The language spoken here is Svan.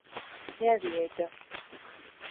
ჲა̈რ ლი ეჯა?